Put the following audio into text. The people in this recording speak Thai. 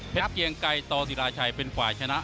เกียงไกรตศิราชัยเป็นฝ่ายชนะ